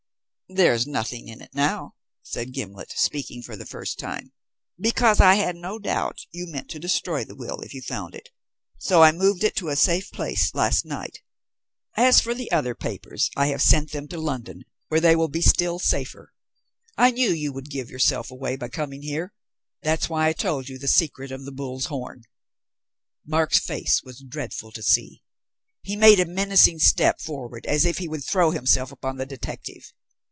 "There's nothing in it now," said Gimblet, speaking for the first time, "because I had no doubt you meant to destroy the will if you found it, so I removed it to a safe place last night. As for the other papers, I have sent them to London, where they will be still safer. I knew you would give yourself away by coming here. That's why I told you the secret of the bull's horn." Mark's face was dreadful to see. He made a menacing step forward as if he would throw himself upon the detective.